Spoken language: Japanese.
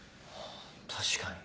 確かに。